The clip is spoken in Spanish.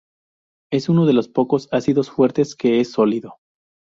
Es uno de los pocos ácidos fuertes que es sólido.